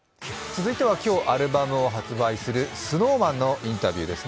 続いては今日アルバムを発売するＳｎｏｗＭａｎのインタビューです。